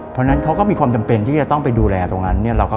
เพราะฉะนั้นเขาก็มีความจำเป็นที่จะต้องไปดูแลตรงนั้น